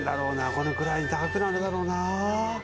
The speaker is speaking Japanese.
このくらいに高くなるだろうなあ